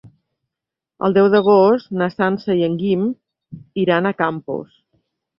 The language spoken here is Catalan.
El deu d'agost na Sança i en Guim iran a Campos.